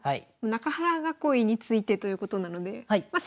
中原囲いについてということなのでまあ